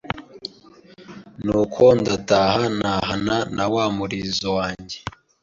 nuko ndataha ntahana na wa murizo wanjye